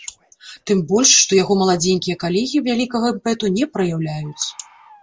Тым больш, што яго маладзенькія калегі вялікага імпэту не праяўляюць.